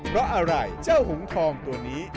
เพราะอะไรเจ้าหงทองตัวนี้